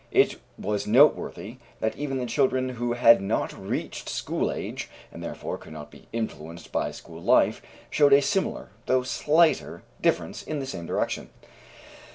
It was noteworthy that even the children who had not reached school age, and therefore could not be influenced by school life, showed a similar, though slighter, difference in the same direction.